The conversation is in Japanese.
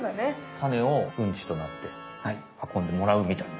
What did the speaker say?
タネをうんちとなってはこんでもらうみたいな。